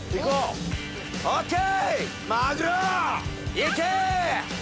いけ！